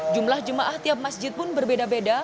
jumlah jemaah tiap masjid pun berbeda beda